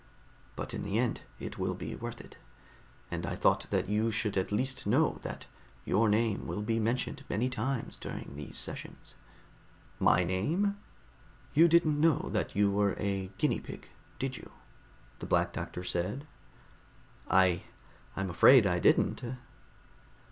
But in the end, it will be worth it, and I thought that you should at least know that your name will be mentioned many times during these sessions." "My name?" "You didn't know that you were a guinea pig, did you?" the Black Doctor said. "I ... I'm afraid I didn't."